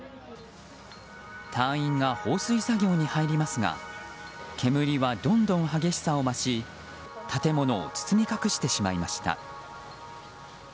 隊員が放水作業に入りますが煙はどんどん激しさを増し建物を包み隠してしまいました。